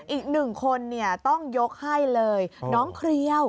อีกหนึ่งคนต้องยกให้เลยน้องเครียว